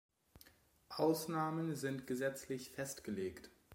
Ausnahmen sind gesetzlich festgelegt.